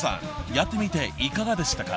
やってみていかがでしたか？］